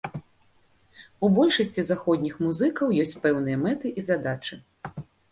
У большасці заходніх музыкаў ёсць пэўныя мэты і задачы.